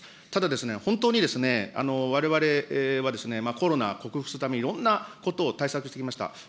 ただ、本当にわれわれはコロナ克服するために、いろんなことを対策してきました。